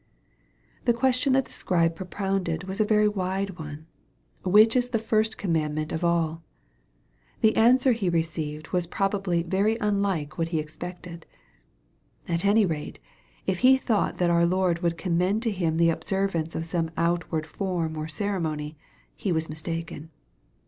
The question that the Scribe propounded was a very wide one :" Which is the first commandment of all ?" The answer he received was probably very unlike what he expected. At any rate, if he thought that our Lord would commend to him the observance of some outward form or ceremony, he was mistaken.